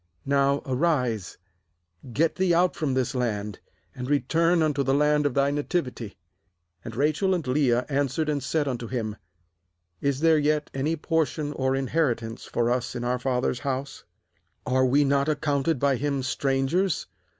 Now arise, get thee out from this land, and return unto the land of thy nativity/ 14And Rachel and Leah answered and said unto him: 'Is there yet any portion or inheritance for us in our father's house? 15Are we not accounted by him strangers?